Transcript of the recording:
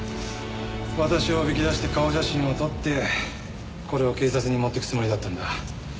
私をおびき出して顔写真を撮ってこれを警察に持っていくつもりだったんだ。